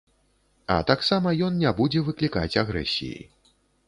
А таксама ён не будзе выклікаць агрэсіі.